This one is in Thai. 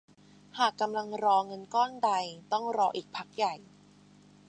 หากกำลังรอเงินก้อนใดต้องรออีกพักใหญ่